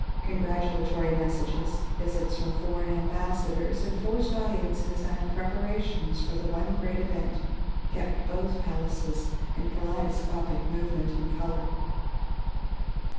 Congratulatory messages, visits from foreign ambassadors, enforced audiences and preparations for the one great event, kept both palaces in kaleidoscopic movement and color.